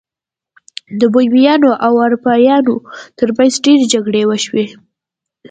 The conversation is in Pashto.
د بومیانو او اروپایانو ترمنځ ډیرې جګړې وشوې.